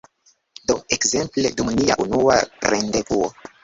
Do, ekzemple, dum nia unua rendevuo